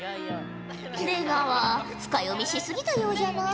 出川深読みし過ぎたようじゃな。